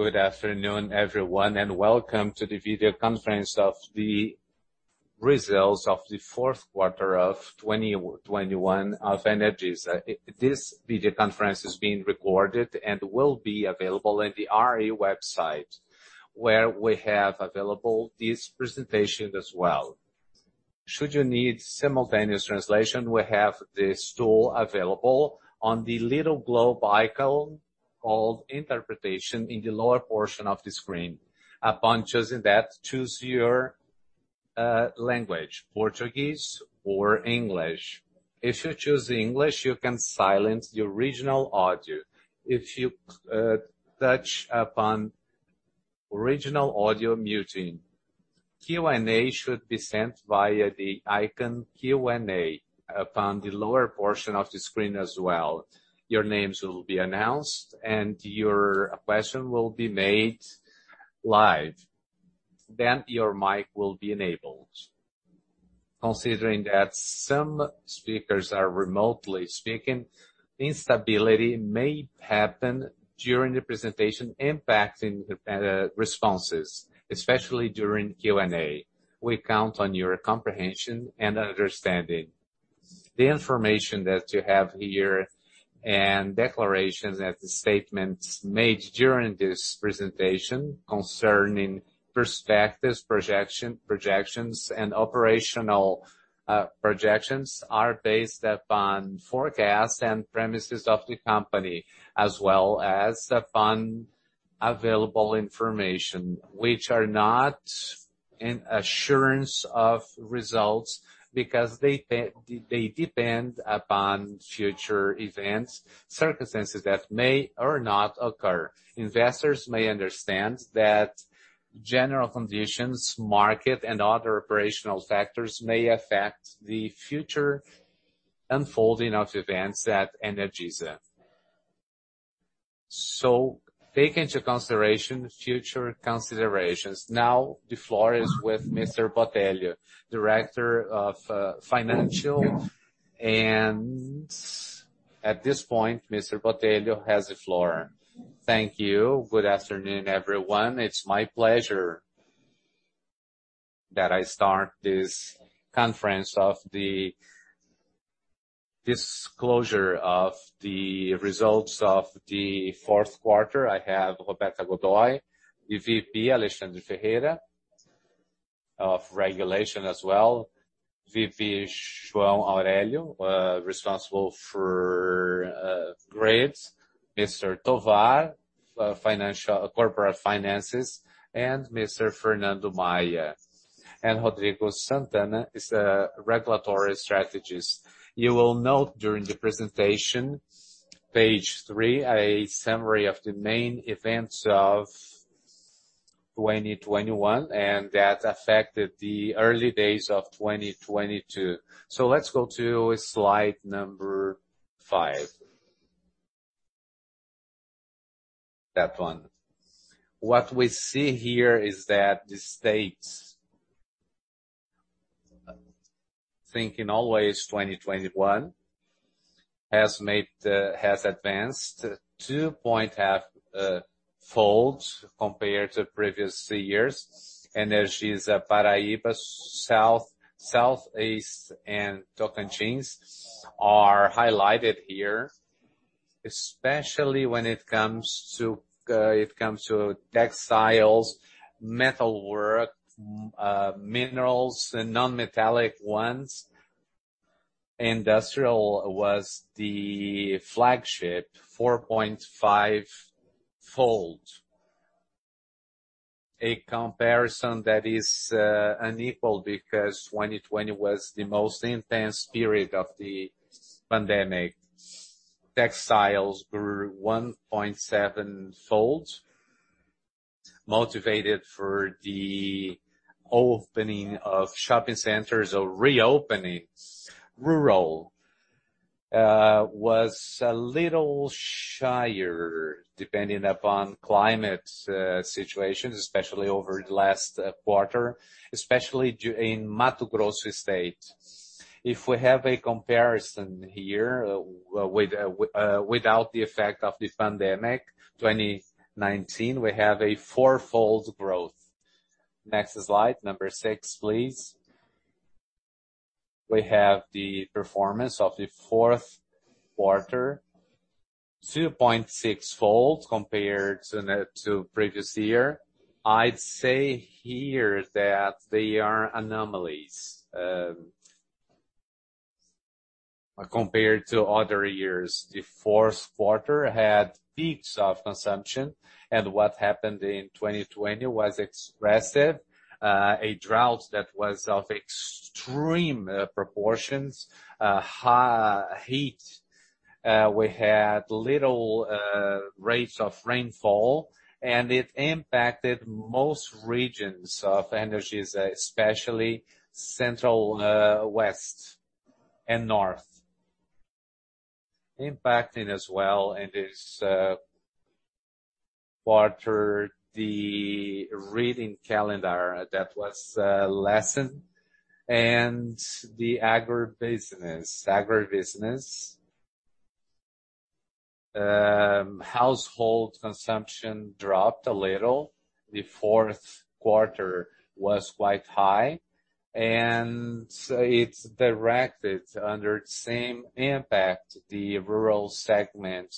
Good afternoon, everyone, and welcome to the video conference of the results of the fourth quarter of 2021 of Energisa. This video conference is being recorded and will be available in the IR website, where we have available this presentation as well. Should you need simultaneous translation, we have this tool available on the little globe icon called Interpretation in the lower portion of the screen. Upon choosing that, choose your language, Portuguese or English. If you choose English, you can silence your original audio. If you touch upon original audio muting. Q&A should be sent via the icon Q&A upon the lower portion of the screen as well. Your names will be announced, and your question will be made live. Then your mic will be enabled. Considering that some speakers are remotely speaking, instability may happen during the presentation, impacting the responses, especially during Q&A. We count on your comprehension and understanding. The information that you have here and declarations that the statements made during this presentation concerning perspectives, projections, and operational projections are based upon forecasts and premises of the company, as well as upon available information, which are not an assurance of results because they depend upon future events, circumstances that may or not occur. Investors may understand that general conditions, market, and other operational factors may affect the future unfolding of events at Energisa. Take into consideration future considerations. Now, the floor is with Mr. Botelho, Director of Finance. At this point, Mr. Botelho has the floor. Thank you. Good afternoon, everyone. It's my pleasure to start this conference of the disclosure of the results of the fourth quarter. I have Roberta Godoi, the VP. Alexandre Ferreira of Regulation as well. VP João Aurélio, responsible for grids. Mr. Tovar, corporate finances, and Mr. Fernando Maia. Rodrigo Santana is a Regulatory Strategist. You will note during the presentation, page three, a summary of the main events of 2021 and that affected the early days of 2022. Let's go to slide number five. That one. What we see here is that the states, thinking always 2021, has advanced 2.5-fold compared to previous years. Energisa Paraíba, South-Southeast, and Tocantins are highlighted here, especially when it comes to textiles, metalwork, minerals and non-metallic ones. Industrial was the flagship, 4.5-fold. A comparison that is unequal because 2020 was the most intense period of the pandemic. Textiles grew 1.7-fold, motivated for the opening of shopping centers or reopenings. Rural was a little shyer, depending upon climate situations, especially over the last quarter, especially in Mato Grosso state. If we have a comparison here with without the effect of the pandemic, 2019, we have a four-fold growth. Next slide, number six, please. We have the performance of the fourth quarter, 2.6-fold compared to the previous year. I'd say here that they are anomalies compared to other years. The fourth quarter had peaks of consumption, and what happened in 2020 was expressive. A drought that was of extreme proportions, high heat. We had little rates of rainfall, and it impacted most regions of Energisa, especially Central West and North. Impacting as well in this quarter, the reading calendar that was lessened and the agribusiness. Household consumption dropped a little. The fourth quarter was quite high, and it's directed under the same impact, the rural segment,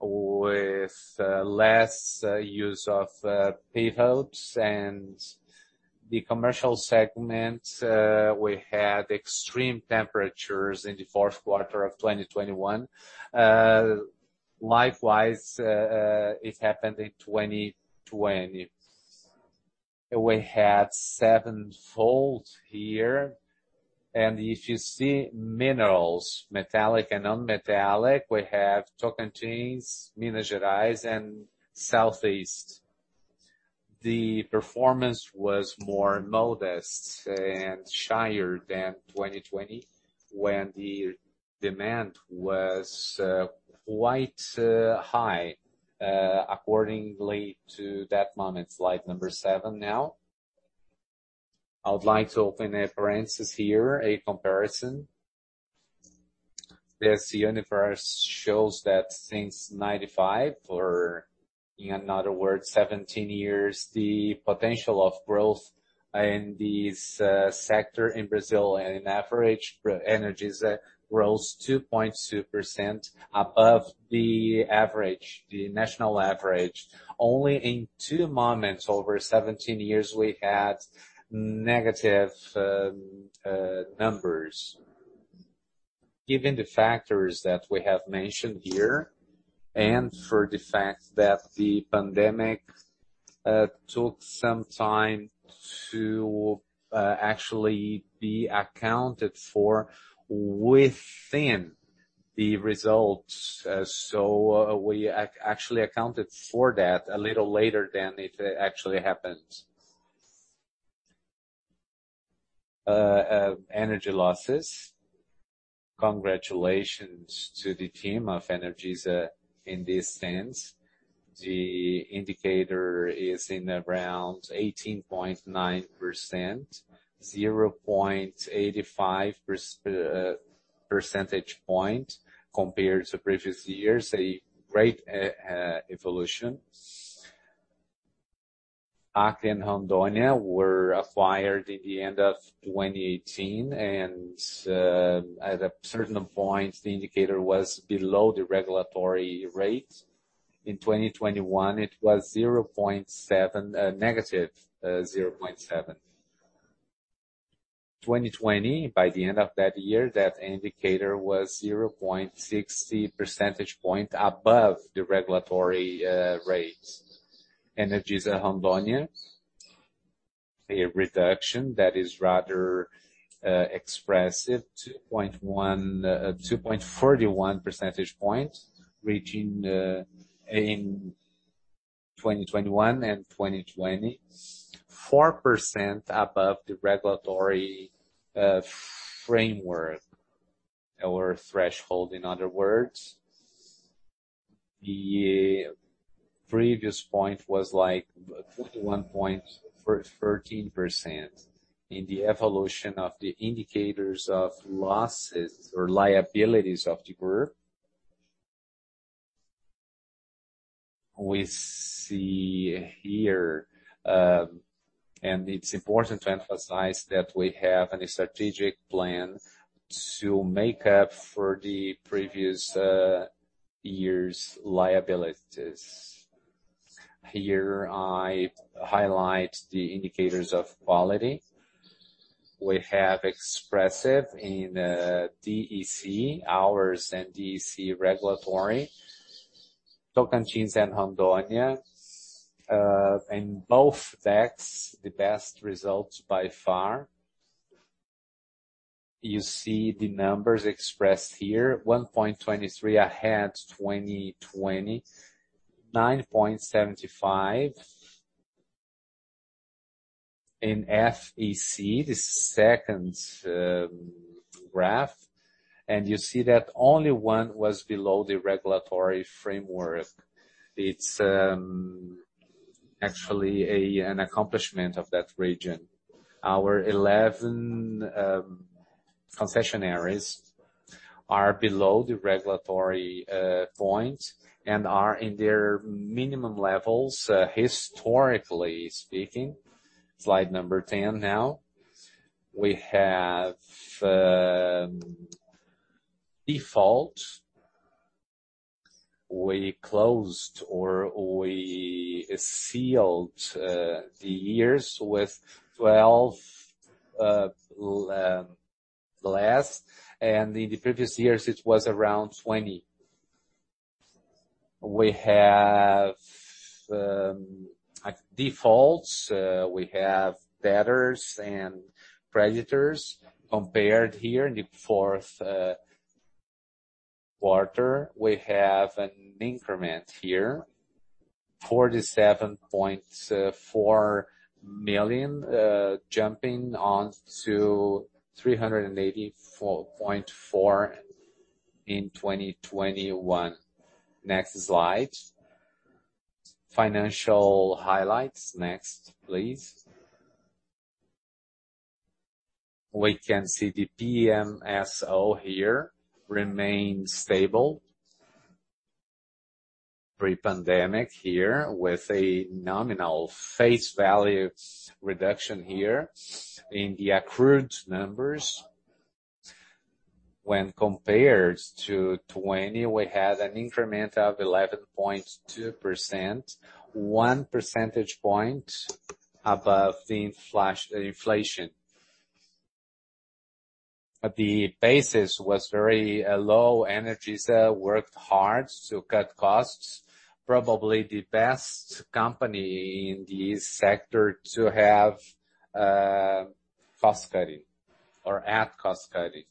with less use of prepaids. The commercial segment, we had extreme temperatures in the fourth quarter of 2021. Likewise, it happened in 2020. We had seven-fold here. If you see minerals, metallic and non-metallic, we have Tocantins, Minas Gerais, and Southeast. The performance was more modest and shyer than 2020, when the demand was quite high, according to that moment. Slide number seven now. I would like to open a parenthesis here, a comparison. This universe shows that since 1995, or in other words, 17 years, the potential of growth in this sector in Brazil. On average, Energisa grows 2.2% above the national average. Only in two moments over 17 years, we had negative numbers. Given the factors that we have mentioned here, and for the fact that the pandemic took some time to actually be accounted for within the results. We actually accounted for that a little later than it actually happened. Energy losses. Congratulations to the team of Energisa in this sense. The indicator is in around 18.9%, 0.85 percentage point compared to previous years. A great evolution. AC and Rondônia were acquired in the end of 2018, and at a certain point, the indicator was below the regulatory rate. In 2021, it was -0.7. 2020, by the end of that year, that indicator was 0.60 percentage point above the regulatory rates. Energisa Rondônia, a reduction that is rather expressive, 2.1, 2.41 percentage points, reaching, in 2021 and 2020, 4% above the regulatory framework or threshold, in other words. The previous point was, like, 21.13% in the evolution of the indicators of losses or liabilities of the group. We see here, it's important to emphasize that we have a strategic plan to make up for the previous year's liabilities. Here I highlight the indicators of quality. We have expressive in DEC hours and DEC regulatory, Tocantins and Rondônia. In both DECs, the best results by far. You see the numbers expressed here, 1.23 ahead 2020, 9.75 in FEC, the second graph, and you see that only one was below the regulatory framework. It's actually an accomplishment of that region. Our 11 concession areas are below the regulatory point and are in their minimum levels historically speaking. Slide number 10 now. We have default. We closed or we sealed the years with 12 less, and in the previous years, it was around 20. We have defaults. We have debtors and creditors compared here in the fourth quarter. We have an increment here, 47.4 million, jumping on to 384.4 million in 2021. Next slide. Financial highlights. Next, please. We can see the PMSO here remains stable. Pre-pandemic here with a nominal face value reduction here in the accrued numbers. When compared to 2020, we had an increment of 11.2%, 1 percentage point above the flash inflation. The basis was very low. Energisa worked hard to cut costs. Probably the best company in this sector to have cost cutting or at cost cutting.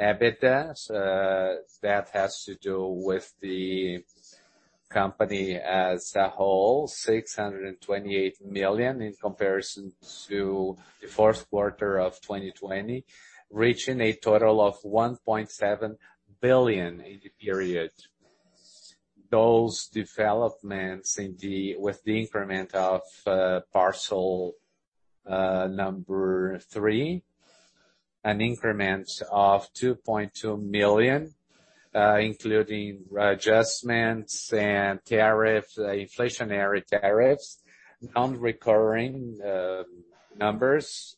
EBITDA that has to do with the company as a whole, 628 million in comparison to the fourth quarter of 2020, reaching a total of 1.7 billion in the period. Those developments with the increment of parcel number three, an increment of 2.2 million, including adjustments and tariff, inflationary tariffs, non-recurring numbers.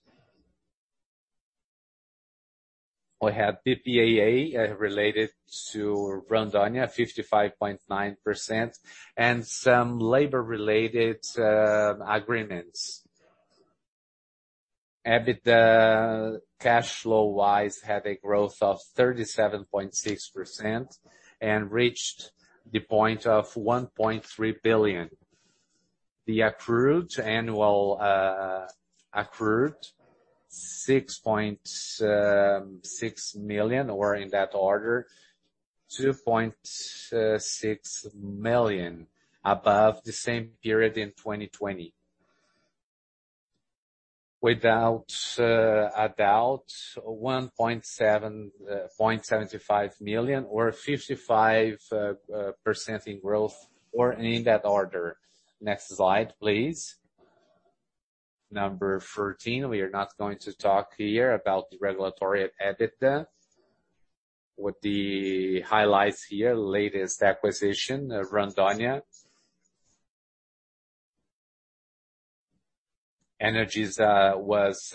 We have PPAA related to Rondônia, 55.9%, and some labor related agreements. EBITDA cash flow wise had a growth of 37.6% and reached the point of 1.3 billion. The accrued annual 6.6 million, or in that order, 2.6 million above the same period in 2020. Without a doubt, 1.75 million or 55% in growth or in that order. Next slide, please. Number 13. We are not going to talk here about the regulatory EBITDA. With the highlights here, latest acquisition, Rondônia. Energisa was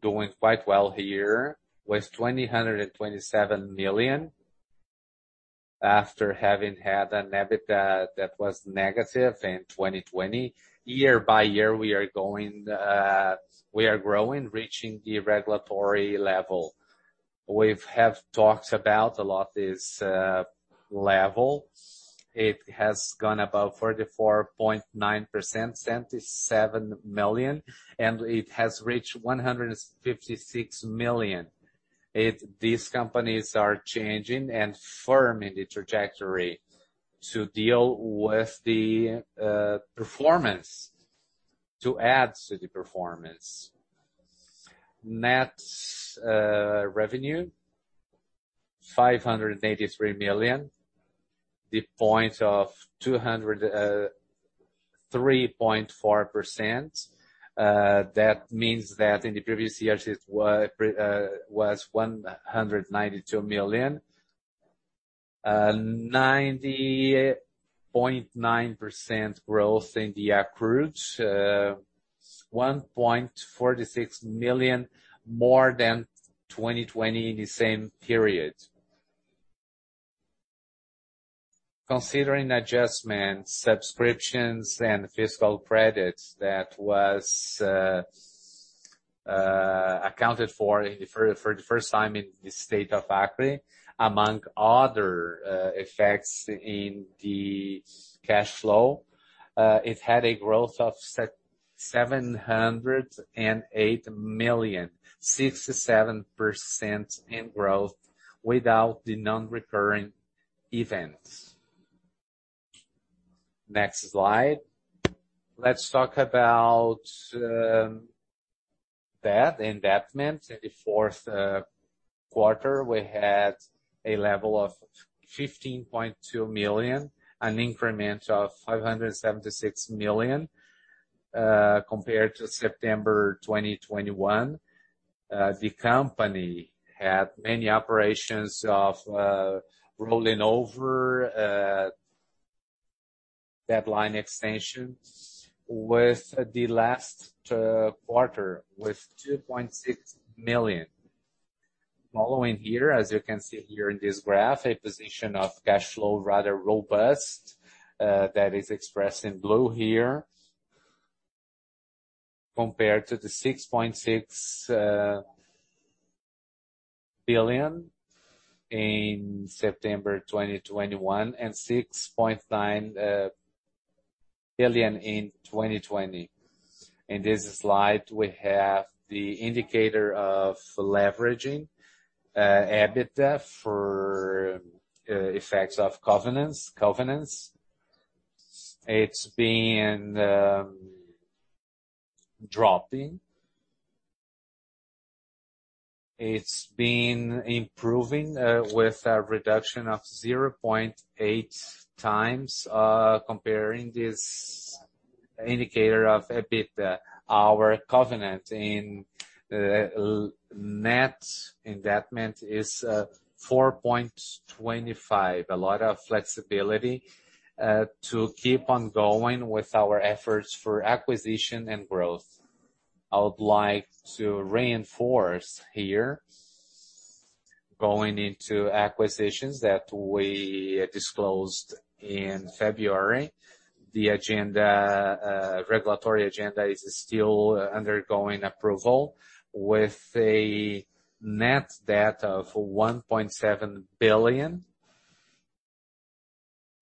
doing quite well here with 227 million after having had an EBITDA that was negative in 2020. Year by year, we are growing, reaching the regulatory level. We've talked about a lot this level. It has gone above 44.9%, 77 million, and it has reached 156 million. These companies are changing and firm in the trajectory to deal with the performance, to add to the performance. Net revenue BRL 583 million, 203.4%. That means that in the previous years it was 192 million, 90.9% growth in the accrued. 146 million more than 2020 in the same period. Considering adjustments, subscriptions and fiscal credits, that was accounted for in the for the first time in the state of Acre, among other effects in the cash flow, it had a growth of 708 million, 67% growth without the non-recurring events. Next slide. Let's talk about debt, the indebtedness. In the fourth quarter, we had a level of 15.2 million, an increment of 576 million compared to September 2021. The company had many operations of rolling over deadline extensions with the last quarter with 2.6 million. Following here, as you can see here in this graph, a position of cash flow, rather robust, that is expressed in blue here, compared to the 6.6 billion in September 2021 and 6.9 billion in 2020. In this slide, we have the indicator of leveraging EBITDA for effects of covenants. It's been improving with a reduction of 0.8x, comparing this indicator of EBITDA, our covenant in net investment is 4.25x. A lot of flexibility to keep on going with our efforts for acquisition and growth. I would like to reinforce here, going into acquisitions that we disclosed in February, the regulatory agenda is still undergoing approval with a net debt of 1.7 billion,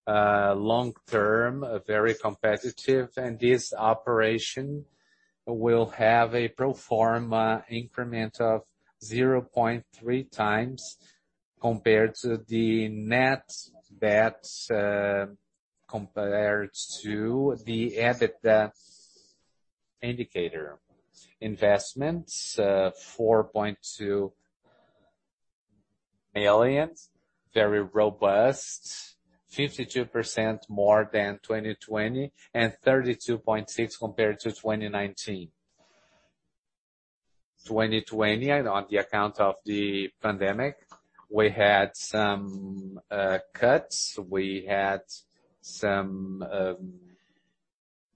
long term, very competitive. This operation will have a pro forma increment of 0.3x compared to the net debt to EBITDA indicator. Investments, 4.2 billion, very robust, 52% more than 2020, and 32.6% compared to 2019. In 2020, on account of the pandemic, we had some cuts, we had some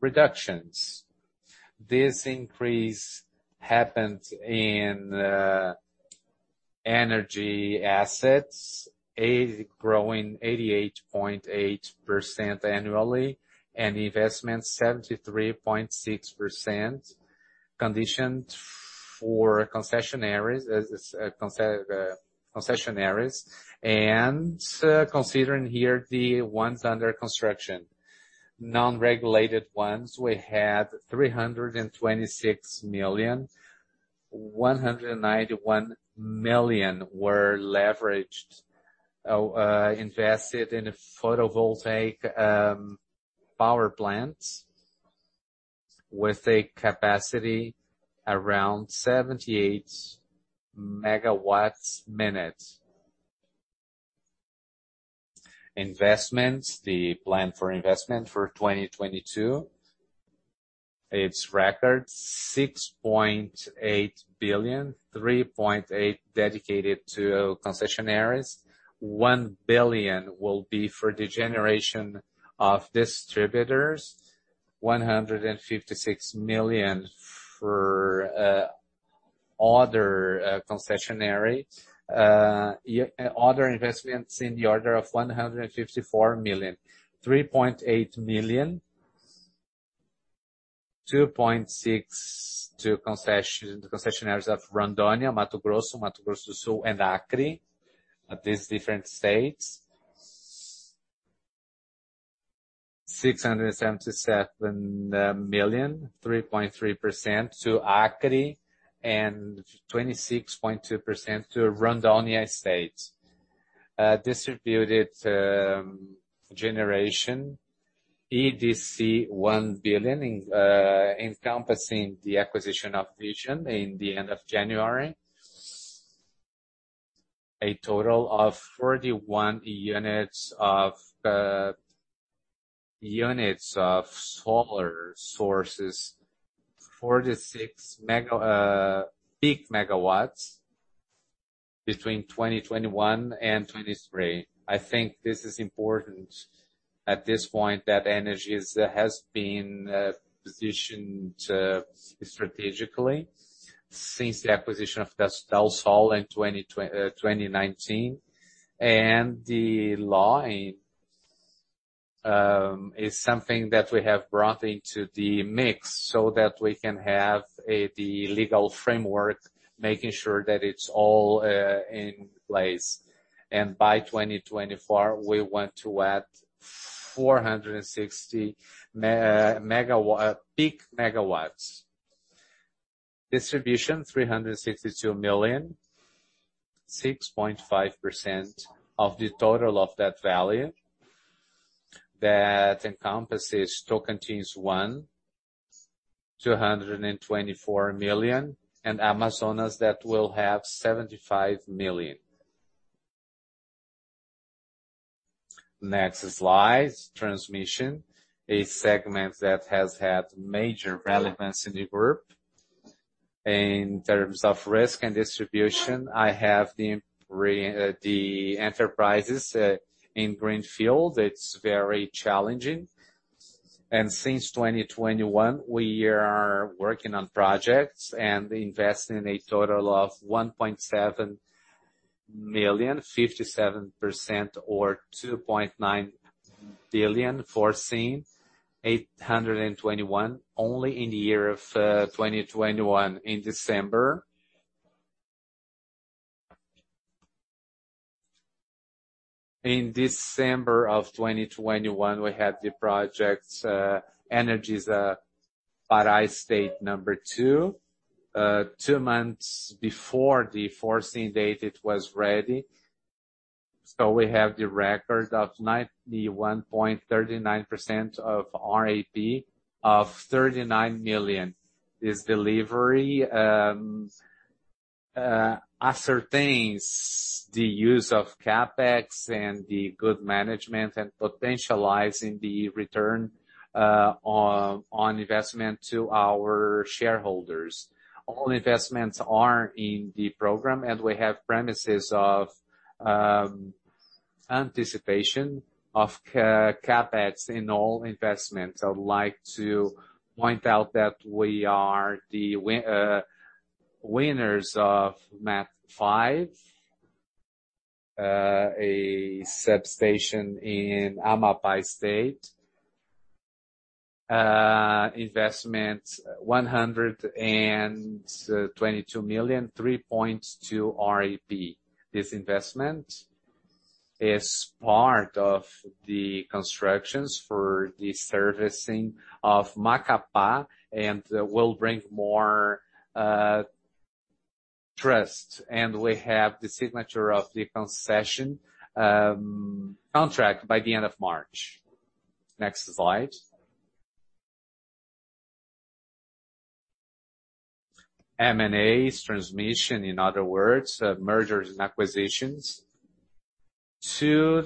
reductions. This increase happened in energy assets, growing 88.8% annually, and investment 73.6%, conditioned for concessionaries, and considering here the ones under construction. Non-regulated ones, we had 326 million. 191 million were leveraged, invested in photovoltaic power plants with a capacity around 78 MWm. Investments. The plan for investment for 2022, it's record 6.8 billion, 3.8 billion dedicated to concessionaires. 1 billion will be for the generation of distributors. 156 million for other concessionaire. Other investments in the order of 154 million, 3.8 million, 2.6 billion to concession, the concessionaires of Rondônia, Mato Grosso, Mato Grosso do Sul, and Acre. These different states. 677 million, 3.3% to Acre, and 26.2% to Rondônia State. Distributed generation. EDC, 1 billion encompassing the acquisition of Vision at the end of January. A total of 41 units of solar sources. 46 peak MW between 2021 and 2023. I think this is important at this point, that Energisa has been positioned strategically since the acquisition of Mato Grosso do Sul in 2019. The line is something that we have brought into the mix so that we can have the legal framework, making sure that it's all in place. By 2024, we want to add 460 peak MW. Distribution, BRL 362 million, 6.5% of the total of that value. That encompasses Tocantins 1, 224 million, and Amazonas 1, that will have 75 million. Next slide, transmission. A segment that has had major relevance in the group. In terms of risk and distribution, I have the enterprises in Greenfield. It's very challenging. Since 2021, we are working on projects and investing a total of 1.7 billion, 57% or 2.9 billion, 821 million only in the year of 2021. In December of 2021, we had the project, Energisa Pará II. Two months before the energization date, it was ready. We have the record of 91.39% of RAP of 39 million. This delivery ascertains the use of CapEx and the good management and potentializing the return on investment to our shareholders. All investments are in the program, and we have premises of anticipation of CapEx in all investments. I would like to point out that we are the winners of Lote 5, a substation in Amapá state. Investment 122 million, 3.2% RAP. This investment is part of the constructions for the servicing of Macapá and will bring more trust. We have the signature of the concession contract by the end of March. Next slide. M&A transmission, in other words, mergers and acquisitions. Two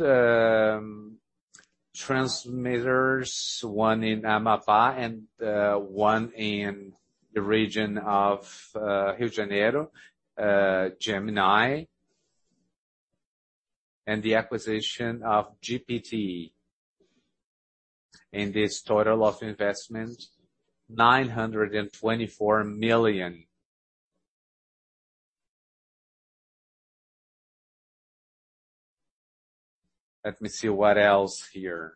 transmitters, one in Amapá and one in the region of Rio de Janeiro, Gemini, and the acquisition of GPTE. This total of investment, 924 million. Let me see what else here.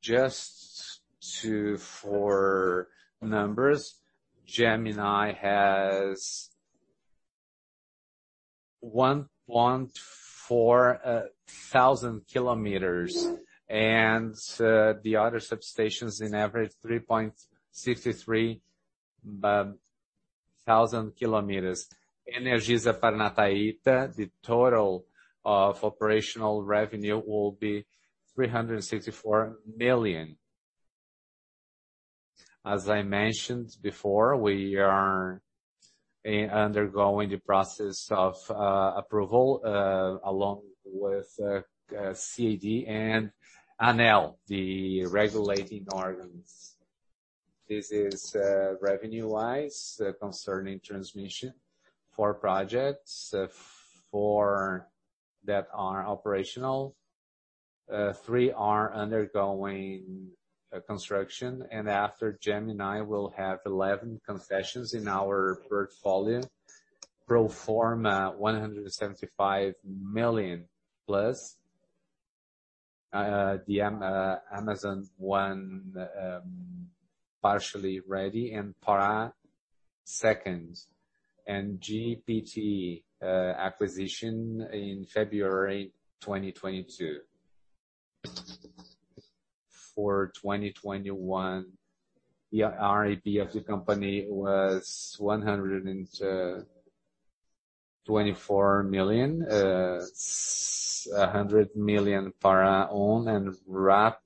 Just for numbers, Gemini has 1,400 km. The other substations in average 3,630 km. Energisa Paranaíta, the total of operational revenue will be 364 million. As I mentioned before, we are undergoing the process of approval along with CADE and ANEEL, the regulating organs. This is revenue-wise concerning transmission. Four projects, four that are operational, three are undergoing construction. After Gemini, we'll have eleven concessions in our portfolio. Pro forma 175 million plus the Amazonas 1, partially ready and Pará II, and GPTE acquisition in February 2022. For 2021, the RAP of the company was 124 million. 100 million Pará I and RAP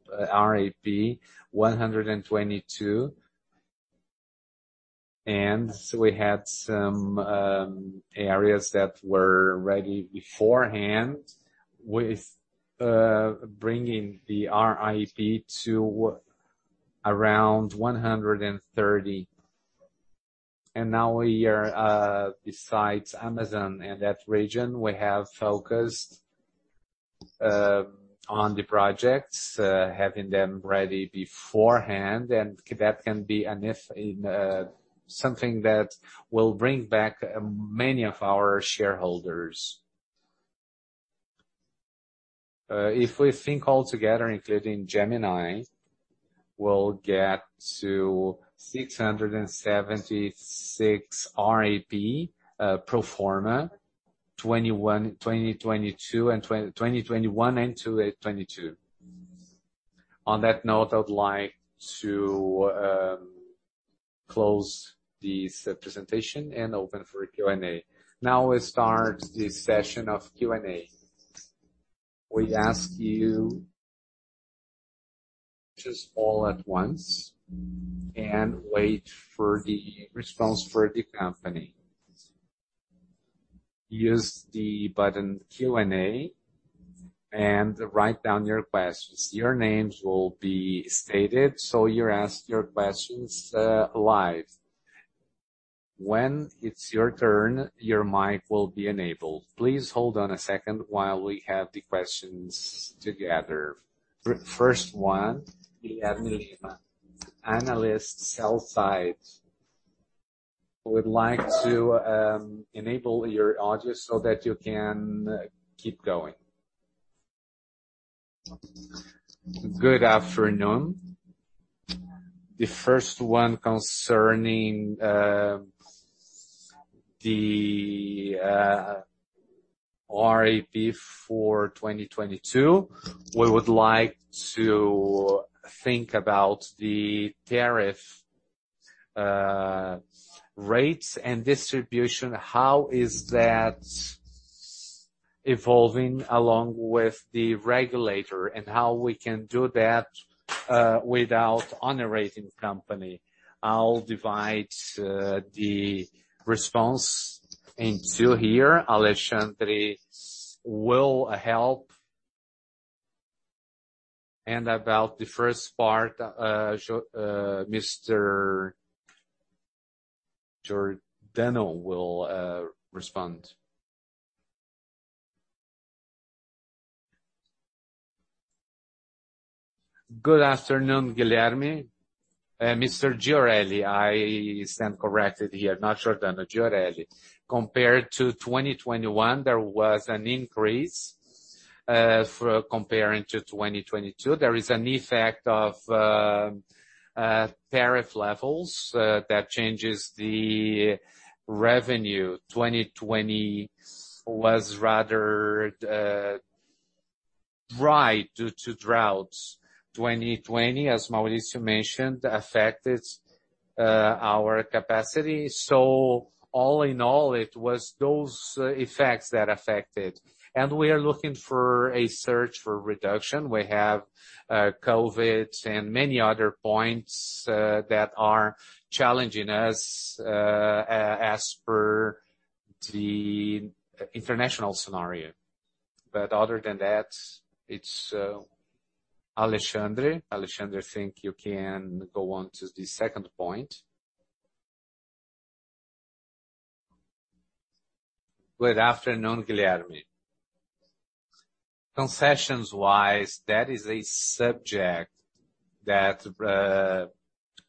122 million. We had some areas that were ready beforehand with bringing the RAP to around 130 million. Now we are, besides Amazonas and that region, focused on the projects having them ready beforehand, and that can be an advantage in something that will bring back many of our shareholders. If we think all together, including Gemini, we'll get to 676 million RAP pro forma 2021-2022. On that note, I would like to close this presentation and open for Q&A. Now we start the session of Q&A. We ask you just all at once and wait for the response for the company. Use the button Q&A and write down your questions. Your names will be stated so you ask your questions live. When it's your turn, your mic will be enabled. Please hold on a second while we have the questions together. First one, Guilherme Lima, Analyst, sell-side. We'd like to enable your audio so that you can keep going. Good afternoon. The first one concerning the RAP for 2022. We would like to think about the tariff rates and distribution, how is that evolving along with the regulator and how we can do that without underwriting company? I'll divide the response in two here. Alexandre will help. About the first part, Mr. Gioreli will respond. Good afternoon, Guilherme. Mr. Gioreli, I stand corrected here. Not Giordano, Gioreli. Compared to 2021, there was an increase. For comparing to 2022, there is an effect of tariff levels that changes the revenue. 2020 was rather dry due to droughts. 2020, as Maurício mentioned, affected our capacity. All in all, it was those effects that affected. We are looking for a search for reduction. We have COVID and many other points that are challenging us as per the international scenario. Other than that, it's Alexandre. Alexandre, I think you can go on to the second point. Good afternoon, Guilherme. Concessions-wise, that is a subject that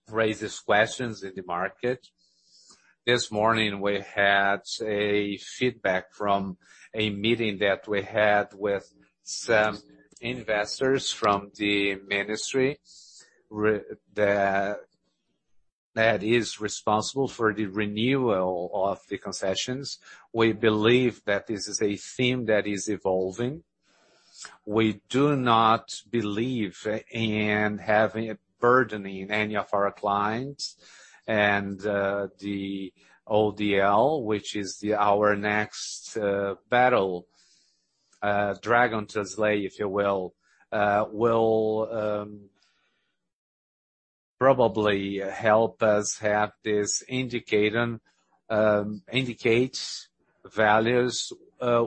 raises questions in the market. This morning, we had a feedback from a meeting that we had with some investors from the ministry that is responsible for the renewal of the concessions. We believe that this is a theme that is evolving. We do not believe in having a burden in any of our clients. The ODL, which is our next battle dragon to slay, if you will probably help us have this indicator indicate values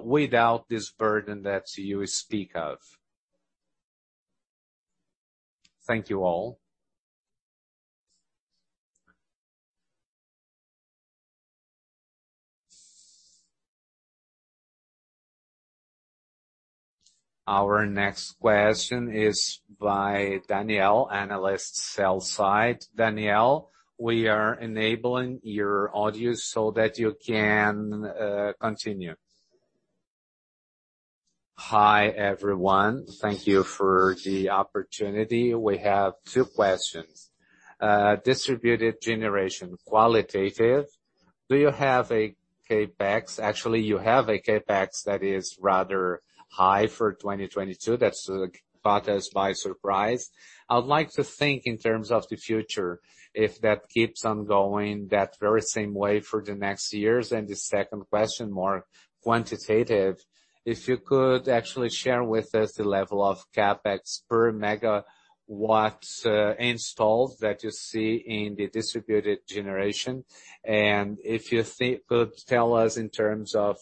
without this burden that you speak of. Thank you all. Our next question is by Daniel, Analyst, sell-side. Daniel, we are enabling your audio so that you can continue. Hi, everyone. Thank you for the opportunity. We have two questions. Distributed generation qualitative. Do you have a CapEx? Actually, you have a CapEx that is rather high for 2022. That's caught us by surprise. I would like to think in terms of the future, if that keeps on going that very same way for the next years. The second question, more quantitative. If you could actually share with us the level of CapEx per megawatt installed that you see in the distributed generation. If you could tell us in terms of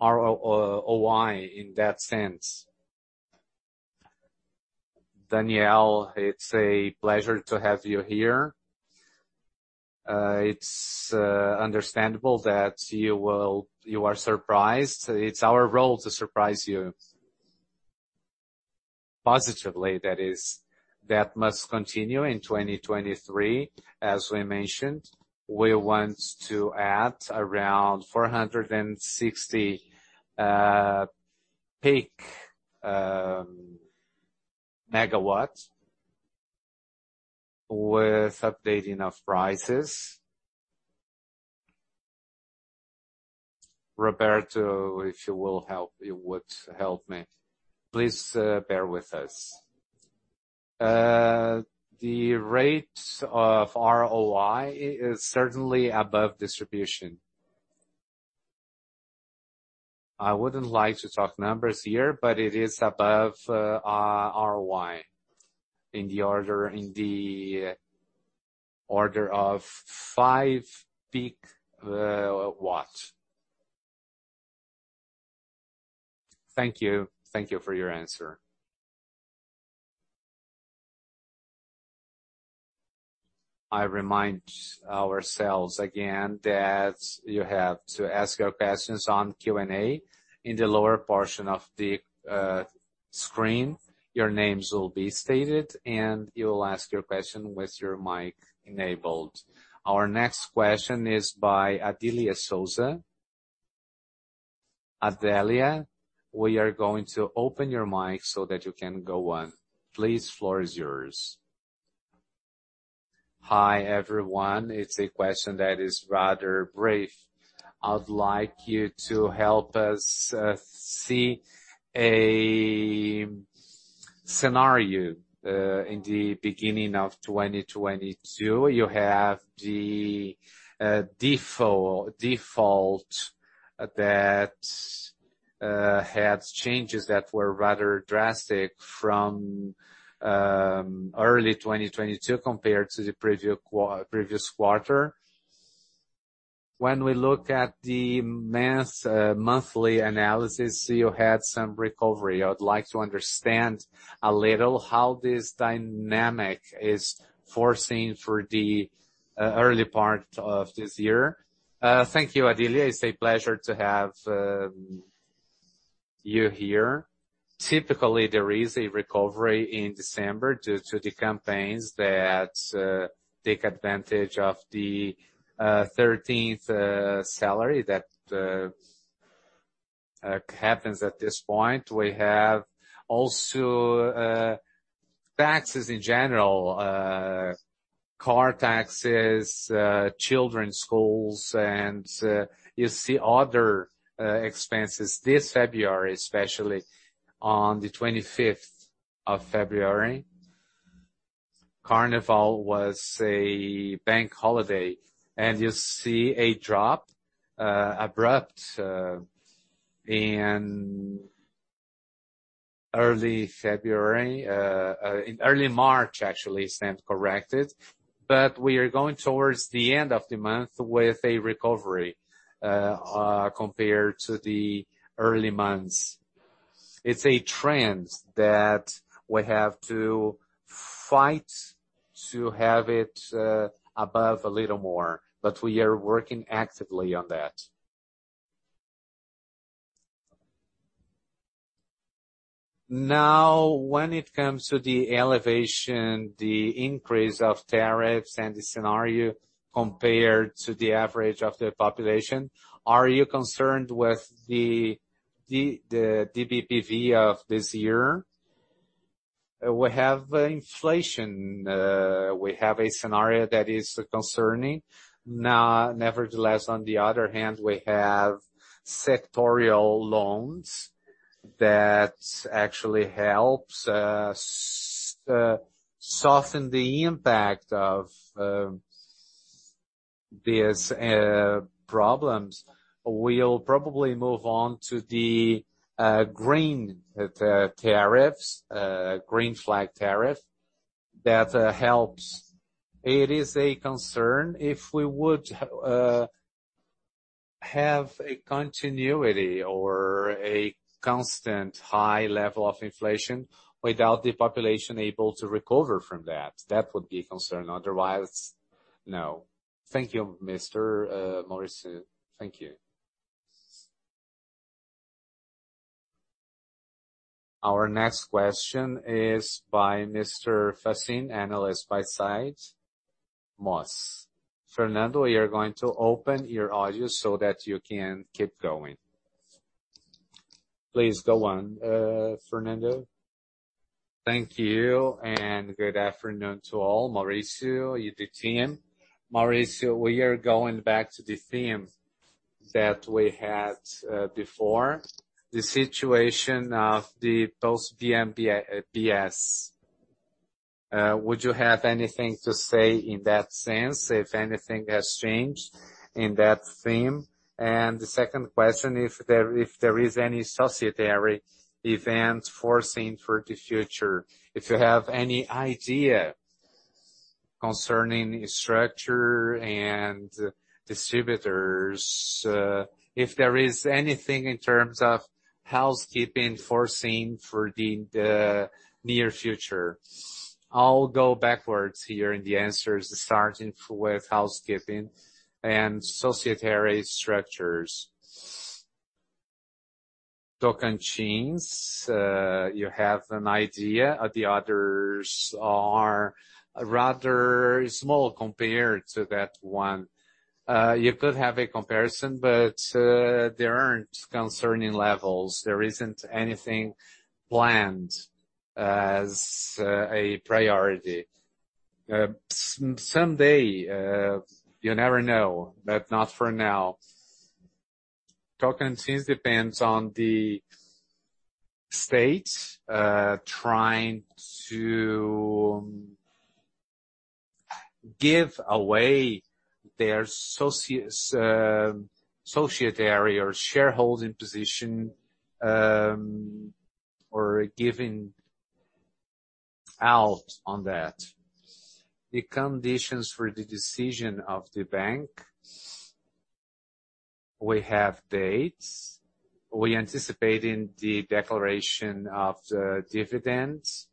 ROI in that sense. Daniel, it's a pleasure to have you here. It's understandable that you are surprised. It's our role to surprise you positively, that is. That must continue in 2023. As we mentioned, we want to add around 460 peak MW with updating of prices. Roberta, if you would help me. Please, bear with us. The rate of ROI is certainly above distribution. I wouldn't like to talk numbers here, but it is above our ROI in the order of 5 peak MW. Thank you. Thank you for your answer. I remind ourselves again that you have to ask your questions on Q&A in the lower portion of the screen. Your names will be stated, and you will ask your question with your mic enabled. Our next question is by Adelia Souza. Adelia, we are going to open your mic so that you can go on. Please, floor is yours. Hi, everyone. It's a question that is rather brief. I'd like you to help us see a scenario in the beginning of 2022, you have the default that had changes that were rather drastic from early 2022 compared to the previous quarter. When we look at the mass monthly analysis, you had some recovery. I would like to understand a little how this dynamic is foreseen for the early part of this year. Thank you, Adelia. It's a pleasure to have you here. Typically, there is a recovery in December due to the campaigns that take advantage of the 13th salary that happens at this point. We have also taxes in general, car taxes, children's schools, and you see other expenses this February, especially on the 25th of February. Carnival was a bank holiday and you see an abrupt drop in early February. In early March, actually, I stand corrected. We are going towards the end of the month with a recovery compared to the early months. It's a trend that we have to fight to have it above a little more, but we are working actively on that. Now, when it comes to the escalation, the increase of tariffs and the scenario compared to the average of the population, are you concerned with the DBPV of this year? We have inflation, we have a scenario that is concerning. Now, nevertheless, on the other hand, we have sectoral loans that actually helps soften the impact of these problems. We'll probably move on to the green tariffs, green flag tariff that helps. It is a concern if we would have a continuity or a constant high level of inflation without the population able to recover from that. That would be a concern. Otherwise, no. Thank you, Mr. Maurício. Thank you. Our next question is by [Fernando], buy-side analyst MoS. Fernando, you're going to open your audio so that you can keep going. Please go on, Fernando. Thank you, and good afternoon to all. Maurício, to you and the team. We are going back to the theme that we had before, the situation of the post-BNDES. Would you have anything to say in that sense, if anything has changed in that theme? The second question, if there is any subsidiary events foreseen for the future. If you have any idea concerning structure and distributors, if there is anything in terms of housekeeping foreseen for the near future. I'll go backwards here in the answers, starting with housekeeping and societary structures. Tocantins, you have an idea of the others are rather small compared to that one. You could have a comparison, but there aren't concerning levels. There isn't anything planned as a priority. Someday, you never know, but not for now. Tocantins depends on the states trying to give away their sócios, societário or shareholding position, or giving up on that. The conditions for the decision of the bank. We have dates. We're anticipating the declaration of the dividends.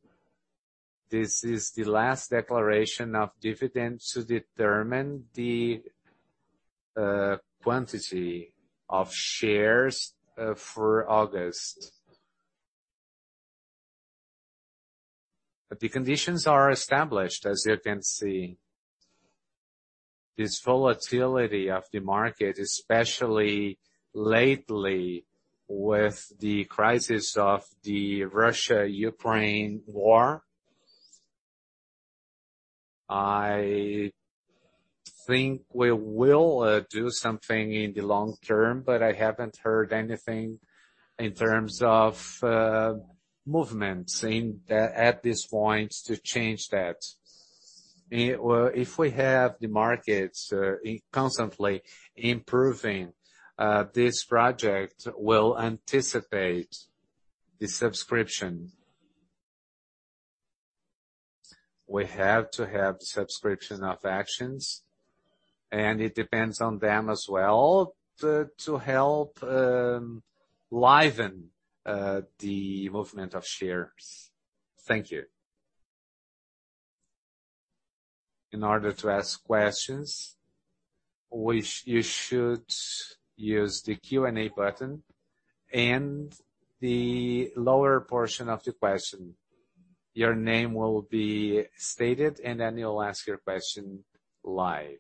This is the last declaration of dividends to determine the quantity of shares for August. The conditions are established, as you can see. This volatility of the market, especially lately with the crisis of the Russia-Ukraine war. I think we will do something in the long term, but I haven't heard anything in terms of movements imminent at this point to change that. If we have the markets constantly improving, this project will anticipate the subscription. We have to have subscription of shares, and it depends on them as well to help liven the movement of shares. Thank you. In order to ask questions, you should use the Q&A button in the lower portion of the screen. Your name will be stated, and then you'll ask your question live.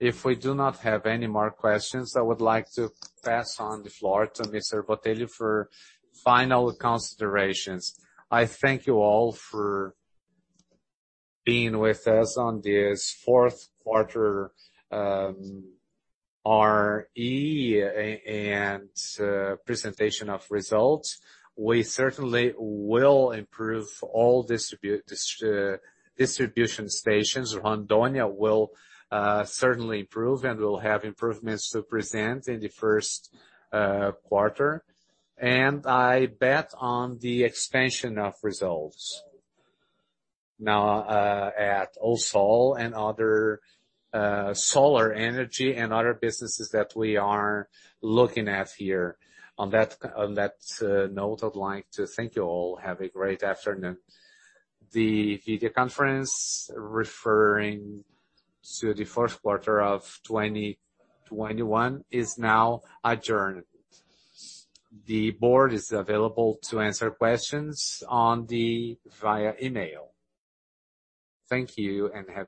If we do not have any more questions, I would like to pass the floor to Mr. Botelho for final considerations. I thank you all for being with us on this fourth quarter presentation of results. We certainly will improve all distribution stations. Rondônia will certainly improve, and we'll have improvements to present in the first quarter. I bet on the expansion of results now at do Sul and other solar energy and other businesses that we are looking at here. On that note, I'd like to thank you all. Have a great afternoon. The video conference referring to the fourth quarter of 2021 is now adjourned. The board is available to answer questions via email. Thank you, and have a great